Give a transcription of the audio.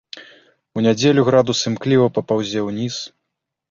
У нядзелю градус імкліва папаўзе ўніз.